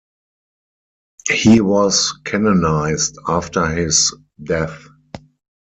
He was canonised after his death.